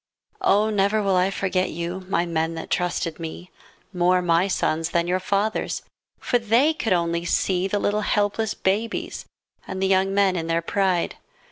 Oh, never will I forget you, My men that trusted me. More my sons than your fathers'. For they could only see The little helpless babies And the young men in their pride.